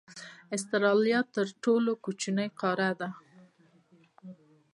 استرالیا تر ټولو کوچنۍ قاره ده.